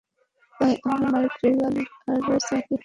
তাই আমার মায়ের চুল লাল আর সিল্কি।